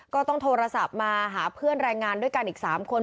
ก็ต้องโทรศัพท์มาหาเพื่อนแรงงานด้วยกันอีก๓คน